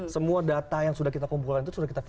semua data yang sudah kita kumpulkan itu sudah kita